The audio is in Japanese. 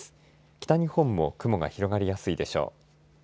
北日本も雲が広がりやすいでしょう。